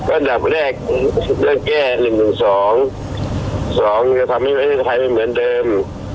อันนี้จากแรกเรื่องแก้๑๒๒จะทำให้เวชไทยไม่เหมือนเดิม